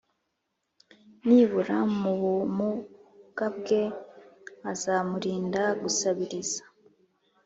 nibura mubumugabwe nkazamurinda gusabiriza?